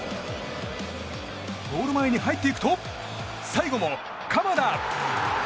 ゴール前に入ってくると最後も鎌田！